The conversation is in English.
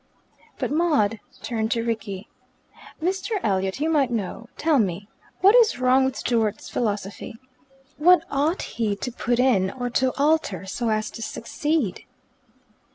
But Maud turned to Rickie. "Mr. Elliot, you might know. Tell me. What is wrong with Stewart's philosophy? What ought he to put in, or to alter, so as to succeed?"